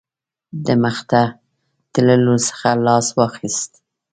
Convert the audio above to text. د مخته تللو څخه لاس واخیست.